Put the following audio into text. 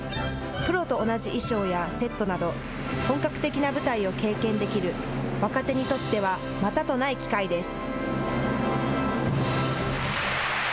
プロと同じ衣装やセットなど本格的な舞台を経験できる若手にとってはまたとない機会です。